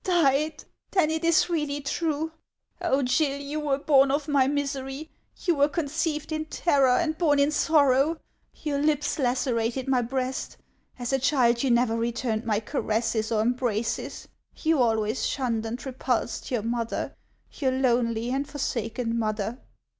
" died ! Then it is really true ? Oh, Gill, you were born of my misery ; you were con ceived in terror and born in sorrow ; your lips lacerated my breast ; as a child, you never returned my caresses or embraces ; you always shunned and repulsed your mother, your lonely and forsaken mother